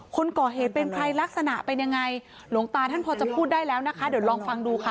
คนก่อเหตุเป็นใครลักษณะเป็นยังไงหลวงตาท่านพอจะพูดได้แล้วนะคะเดี๋ยวลองฟังดูค่ะ